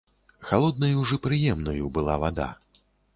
Халоднаю ж і прыемнаю была вада.